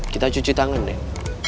kita cuci tangan deh